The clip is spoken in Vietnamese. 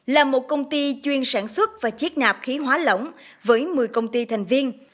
là một công ty chuyên sản xuất và chiếc nạp khí hóa lỏng với một mươi công ty thành viên